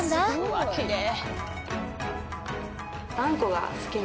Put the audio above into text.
うわきれい。